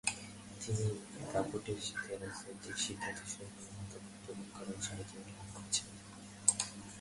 তিনি দাপটের সাথে রাজনৈতিক সিদ্ধান্তসমূহে মতামত প্রদান করার স্বাধীনতা লাভ করেছিলেন।